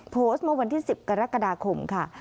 โพสต์เมื่อวันที่๑๐กรกฎาคมค่ะ